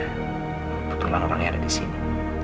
kebetulan orang yang ada disini